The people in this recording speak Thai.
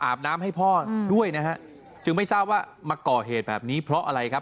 น้ำให้พ่อด้วยนะฮะจึงไม่ทราบว่ามาก่อเหตุแบบนี้เพราะอะไรครับ